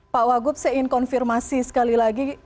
pak wagub saya ingin konfirmasi sekali lagi